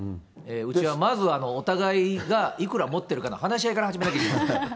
うちはまず、お互いがいくら持ってるかの話し合いから始めなきゃいけない。